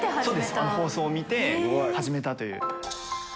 あの放送を見て始めたという。